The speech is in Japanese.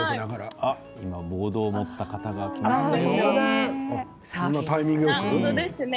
あっ、今ボードを持った方が来ましたよ。